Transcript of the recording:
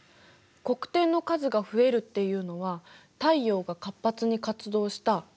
黒点の数が増えるっていうのは太陽が活発に活動した結果なんだよね。